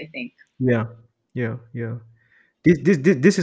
ini sangat luar biasa